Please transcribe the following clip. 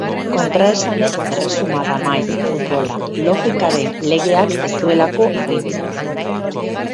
Kontraesanen erresuma da maiz futbola, logikaren legeak ez duelako agintzen.